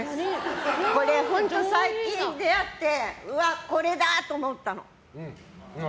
これ本当に最近、出会ってうわ、これだ！と思ったの。